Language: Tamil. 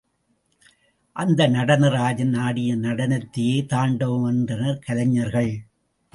அந்த நடன ராஜன் ஆடிய நடனத்தையே தாண்டவம் என்றனர் கலைஞர்கள்.